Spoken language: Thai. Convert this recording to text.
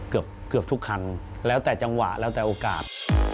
เกือบทุกคันแล้วแต่จังหวะแล้วแต่โอกาส